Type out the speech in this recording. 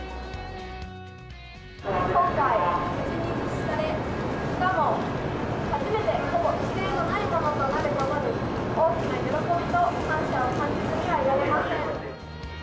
今回、無事に実施され、しかも初めてほぼ規制のないものとなることに、大きな喜びと感謝を感じずにはいられません。